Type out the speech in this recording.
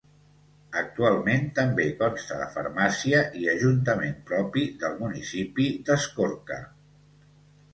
Actualment també consta de farmàcia i ajuntament propi del municipi d'Escorca.